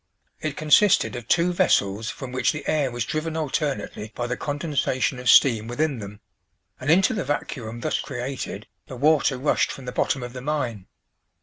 It consisted of two vessels from which the air was driven alternately by the condensation of steam within them, and into the vacuum thus created the water rushed from the bottom of the mine.